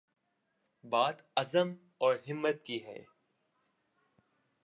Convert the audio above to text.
بات عزم اور ہمت کی ہے۔